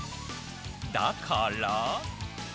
だから。